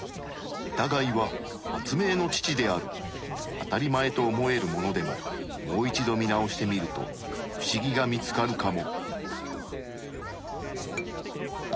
あたりまえと思えるものでももう一度見直してみると不思議が見つかるかも。